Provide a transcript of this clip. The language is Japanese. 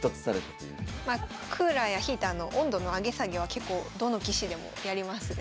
まあクーラーやヒーターの温度の上げ下げは結構どの棋士でもやりますね。